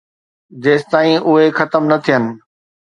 جيستائين اهي ختم نه ٿين